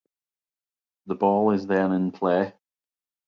The ball is then in play.